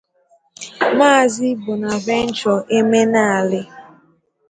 Maazị Bonaventure Enemali.